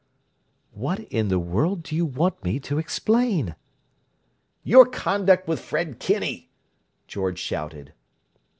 "What in the world do you want me to explain?" "Your conduct with Fred Kinney!" George shouted.